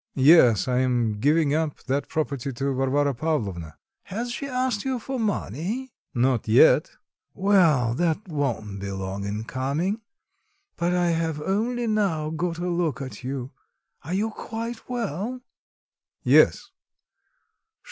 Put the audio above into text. "Yes, I am giving up that property to Varvara Pavlovna." "Has she asked you for money?" "Not yet." "Well, that won't be long in coming. But I have only now got a look at you. Are you quite well?" "Yes."